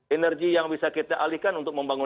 energi yang bisa kita alihkan untuk membangun